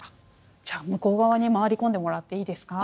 じゃあ向こう側に回り込んでもらっていいですか。